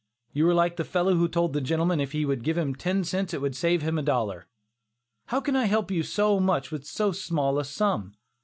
You are like the fellow who told the gentleman if he would give him ten cents it would save him a dollar. "How can I help you so much with so small a sum?"